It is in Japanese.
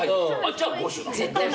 じゃあ５種だ。